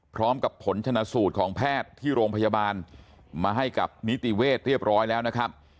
พร้อมกับผลชนะสูตรของแพทย์ที่โรงพยาบาลมาให้กับนิติเวศเรียบร้อยแล้วนะครับ